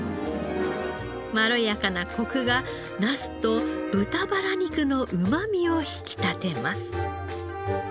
まろやかなコクがナスと豚バラ肉のうまみを引き立てます。